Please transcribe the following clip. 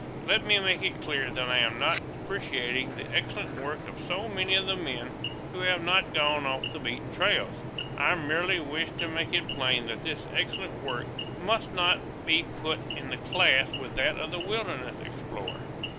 Let me make it clear that I am not depreciating the excellent work of so many of the men who have not gone off the beaten trails. I merely wish to make it plain that this excellent work must not be put in the class with that of the wilderness explorer.